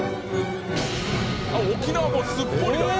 あっ沖縄もすっぽりだ。